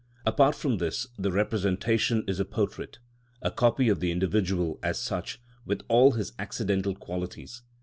Apart from this the representation is a portrait, a copy of the individual as such, with all his accidental qualities.